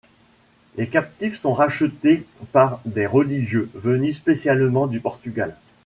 Les captifs sont rachetés par des religieux, venus spécialement du Portugal.